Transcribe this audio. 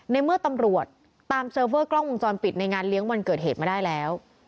ในเมื่อตำรวจตามเซิร์เวอร์กล้องวงจรปิดในงานเลี้ยงวันเกิดเหตุมาได้แล้ว